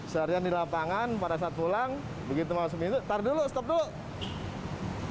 seharian di lapangan pada saat pulang begitu masuk itu taruh dulu stop dulu